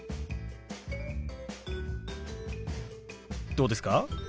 どうですか？